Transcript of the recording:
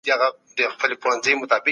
مصارف باید په تولیدي برخو کي وسي.